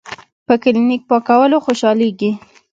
پۀ کلینک پاکولو خوشالیږي ـ